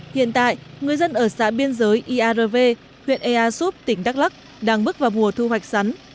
hiện tại người dân ở xã biên giới iav huyện ea súp tỉnh đắk lắc đang bước vào mùa thu hoạch sắn